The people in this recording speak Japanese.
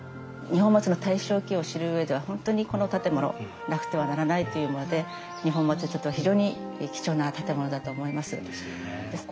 二本松の大正期を知る上では本当にこの建物なくてはならないというもので二本松にとっては非常に貴重な建物だと思います。